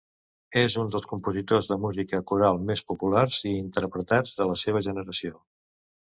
És un dels compositors de música coral més populars i interpretats de la seva generació.